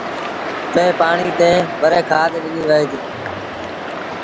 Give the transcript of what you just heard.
ٽئيٚن پآڻيٚ تي وري کآڌ ڏنيٚ وهي ديٚ